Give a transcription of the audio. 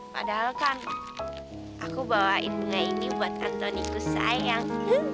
padahal kan aku bawain bunga ini buat antoniku sayang